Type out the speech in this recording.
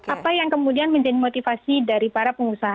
apa yang kemudian menjadi motivasi dari para pengusaha